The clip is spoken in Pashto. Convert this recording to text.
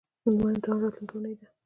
زما امتحان راتلونکۍ اونۍ ده